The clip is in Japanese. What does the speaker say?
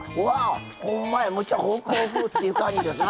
ほんまや、むっちゃホクホクって感じですな。